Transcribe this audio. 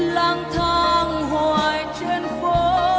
lang thang hoài trên phố